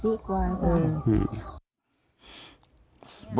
อืม